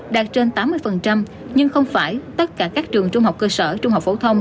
đạt trên tám mươi nhưng không phải tất cả các trường trung học cơ sở trung học phổ thông